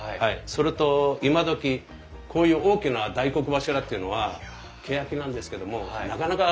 それと今どきこういう大きな大黒柱っていうのはけやきなんですけどもなかなかないんですね。